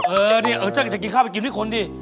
เออเนี่ยเออฉันก็จะกินข้าวไปกินให้คนดิ